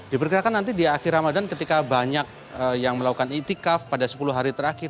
diperkirakan nanti di akhir ramadan ketika banyak yang melakukan itikaf pada sepuluh hari terakhir